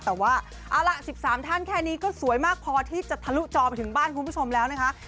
แต่ว่าเอาล่ะ๑๓ท่านแค่นี้ก็สวยมากพอที่จะทะลุจอไปถึงบ้านคุณผู้ชมแล้วนะคะ